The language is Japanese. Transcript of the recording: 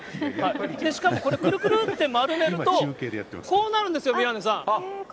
これ、くるくるって丸めると、こうなるんですよ、宮根さん。